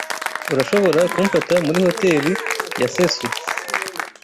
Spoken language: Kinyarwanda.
Urashobora kumfata muri Hotel Yasesu.